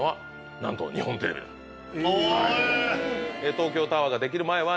東京タワーができる前は。